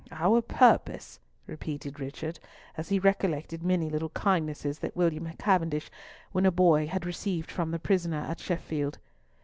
"Our purpose!" repeated Richard, as he recollected many little kindnesses that William Cavendish when a boy had received from the prisoner at Sheffield.